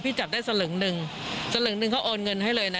จับได้สลึงหนึ่งสลึงหนึ่งเขาโอนเงินให้เลยนะ